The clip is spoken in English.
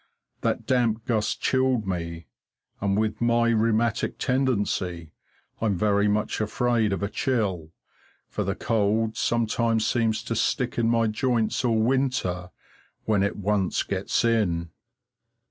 That damp gust chilled me, and with my rheumatic tendency I'm very much afraid of a chill, for the cold sometimes seems to stick in my joints all winter when it once gets in.